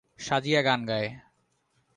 সাজিয়া গান গায়।